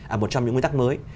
à một trong những nguyên tắc mới